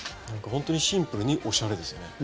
ほんとにシンプルにおしゃれですね。